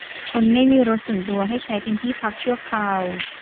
คนไม่มีรถส่วนตัวให้ใช้เป็นที่พักชั่วคราว